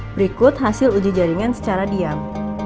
berikut hasil uji jaringan secara diam